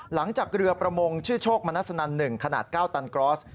หลังจากเรือประมงชื่อโชคมนัสนัน๑ขนาด๙ตันกรอส